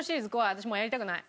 私もうやりたくない。